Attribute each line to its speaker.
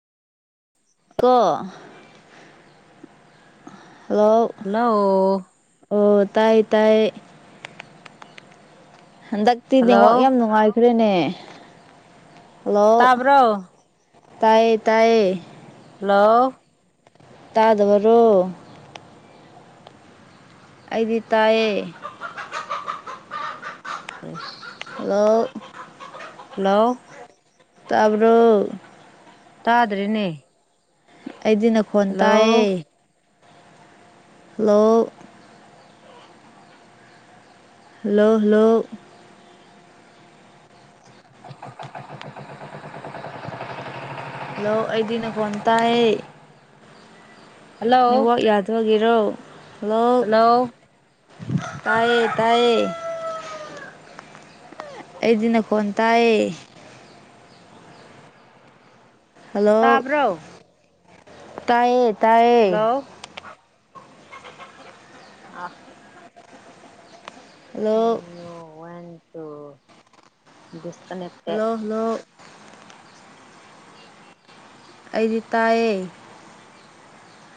Speaker 1: ꯑꯂꯣ ꯍꯜꯂꯣ
Speaker 2: ꯂꯥꯑꯣ
Speaker 1: ꯑꯣ ꯇꯥꯏ ꯇꯥꯏ ꯍꯟꯗꯛꯇꯤ ꯅꯦꯋꯥꯛ
Speaker 2: ꯍꯜꯂꯣ
Speaker 1: ꯌꯥꯝ ꯅꯨꯡꯉꯥꯏꯈ꯭ꯔꯦꯅꯦ ꯍꯜꯂꯣ
Speaker 2: ꯇꯥꯕ꯭ꯔꯣ
Speaker 1: ꯇꯥꯏꯌꯦ ꯇꯥꯏꯌꯦ
Speaker 2: ꯍꯜꯂꯣ
Speaker 1: ꯇꯥꯗꯕꯔꯣ ꯑꯩꯗꯤ ꯇꯥꯌꯦ
Speaker 2: ꯐ꯭ꯔꯦꯁ
Speaker 1: ꯍꯂꯣ
Speaker 2: ꯂꯥꯎ
Speaker 1: ꯇꯥꯕ꯭ꯔꯣ
Speaker 2: ꯇꯥꯗ꯭ꯔꯦꯅꯦ
Speaker 1: ꯑꯩꯗꯤ ꯅꯈꯣꯟ ꯇꯥꯌꯦ ꯍꯂꯣ ꯍꯜꯂꯣ ꯍꯂꯣ ꯍꯜꯂꯣ ꯑꯩꯗꯤ ꯅꯈꯣꯟ ꯇꯥꯏꯌꯦ
Speaker 2: ꯍꯜꯂꯣ
Speaker 1: ꯅꯦꯋꯥꯛ ꯌꯥꯗꯕꯒꯤꯔꯣ ꯍꯂꯣ
Speaker 2: ꯍꯜꯂꯣ
Speaker 1: ꯇꯥꯌꯦ ꯇꯥꯏꯌꯦ ꯑꯩꯗꯤ ꯅꯈꯣꯟ ꯇꯥꯌꯦ ꯍꯜꯂꯣ
Speaker 2: ꯇꯥꯕ꯭ꯔꯣ
Speaker 1: ꯇꯥꯏꯌꯦ ꯇꯥꯏꯌꯦ
Speaker 2: ꯍꯜꯂꯣ ꯑ
Speaker 1: ꯍꯜꯂꯣꯛ
Speaker 2: ꯇꯣ ꯗꯤꯁꯀꯅꯦꯛ
Speaker 1: ꯍꯜꯂꯣ ꯍꯜꯂꯣ ꯑꯩꯗꯤ ꯇꯥꯏꯌꯦ